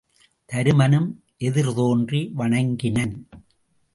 தருமனும் எதிர்தோன்றி வணங்கினன்.